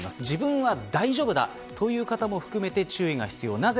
自分は大丈夫だという方も含めて注意が必要です。